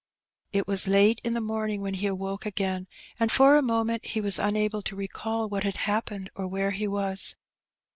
It was late in the morning when he awoke again^ and for a moment he was unable to recall what had happened (Mr where he was.